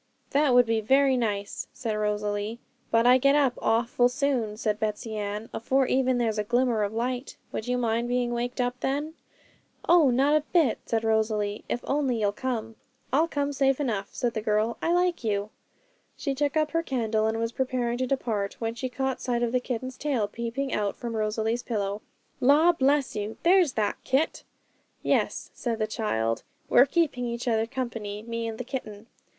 'That would be very nice!' said Rosalie. 'But I get up awful soon,' said Betsey Ann, 'afore ever there's a glimmer of light; would you mind being waked up then?' 'Oh, not a bit,' said Rosalie, 'if only you'll come.' 'I'll come safe enough,' said the girl. 'I like you!' She took up her candle and was preparing to depart when she caught sight of the kitten's tail peeping out from Rosalie's pillow. 'La, bless you! there's that kit!' 'Yes,' said the child; 'we're keeping each other company, me and the kitten.'